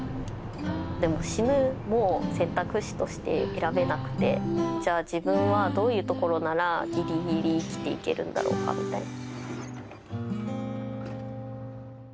「でも死ぬも選択肢として選べなくてじゃあ自分はどういうところならぎりぎり生きていけるんだろうか？みたいな」。